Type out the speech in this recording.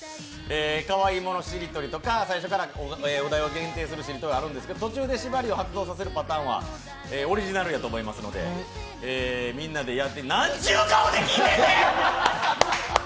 かわいいものしりとりとか、最初からお題を限定するしりとりはあるんですが、途中で縛りを発動させるパターンは同じなるだと思いますので、みんなでやってなんちゅう顔で聞いてんねん！